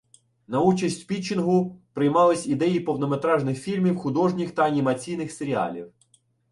На участь в пітчингу приймались ідеї повнометражних фільмів, художніх та анімаційних серіалів.